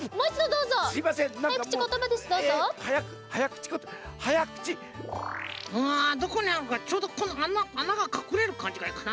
うんどこにはろうかちょうどこのあなあながかくれるかんじがいいかな。